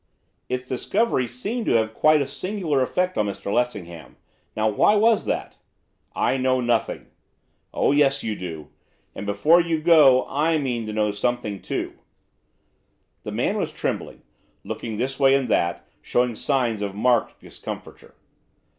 'Its discovery seemed to have quite a singular effect on Mr Lessingham. Now, why was that?' 'I know nothing.' 'Oh yes you do, and, before you go, I mean to know something too.' The man was trembling, looking this way and that, showing signs of marked discomfiture.